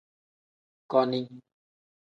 Koni.